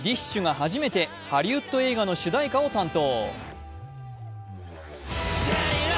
初めてハリウッド映画の主題歌を担当。